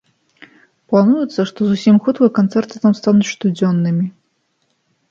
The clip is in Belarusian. Плануецца, што зусім хутка канцэрты там стануць штодзённымі.